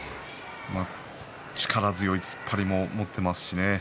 力強い突っ張りも持っていますしね。